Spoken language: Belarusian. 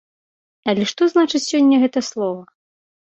Але што значыць сёння гэта слова?